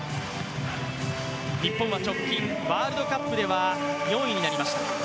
日本は直近、ワールドカップでは４位になりました。